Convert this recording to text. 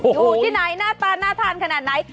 อยู่ที่ไหนหน้าตาน่าทานขนาดไหน